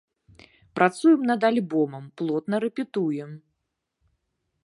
Працуем над альбомам, плотна рэпетуем.